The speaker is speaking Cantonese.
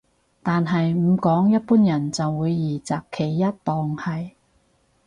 但係唔講一般人就會二擇其一當係